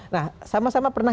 nah sama sama pernah